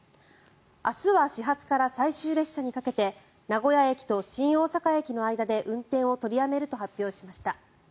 明日は始発から最終列車にかけて名古屋駅と新大阪駅の間で運転を取りやめると発表しました。